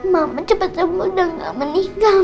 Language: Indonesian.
mama cepet sembuh dan gak menikah